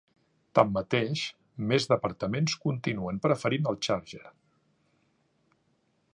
Tanmateix, més departaments continuen preferint el Charger.